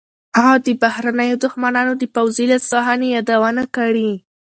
هغه د بهرنیو دښمنانو د پوځي لاسوهنې یادونه کړې.